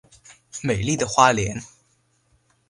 美丽的花莲